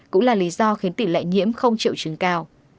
cũng là lý do khiến tỷ lệ nhiễm không triệu chứng cao